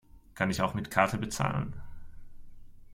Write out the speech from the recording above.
Kann ich auch mit Karte bezahlen?